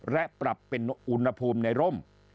และปรับเป็นอุณหภูมิในร่ม